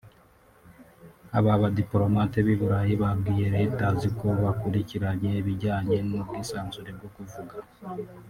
Aba badipolomate b’i Burayi babwiye Reuters ko bakurikiranye ibijyanye n’ubwisanzure bwo kuvuga